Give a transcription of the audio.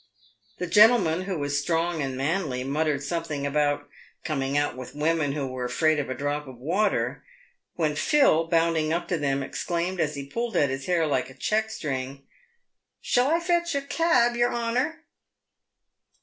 The gentleman, who was strong and manly, muttered something about " coming out with women who were afraid of a drop of water," when Phil, bounding up to them, exclaimed, as he pulled at his hair like a check string, " Shall I fetch a cab, yer honour?"